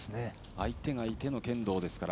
相手がいての剣道ですから。